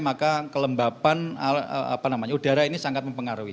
maka kelembapan udara ini sangat mempengaruhi